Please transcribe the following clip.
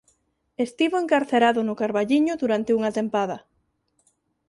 Estivo encarcerado no Carballiño durante unha tempada.